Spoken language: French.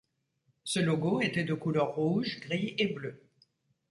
Ce logo était de couleur rouge, gris et bleu.